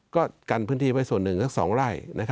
ก็กันพื้นที่ไว้ส่วนหนึ่งสัก๒ไร่